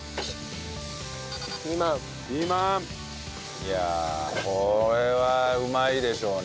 いやあこれはうまいでしょうね。